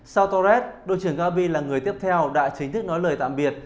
sau torres đội trưởng gabi là người tiếp theo đã chính thức nói lời tạm biệt